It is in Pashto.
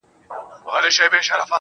د ناروا زوی نه یم,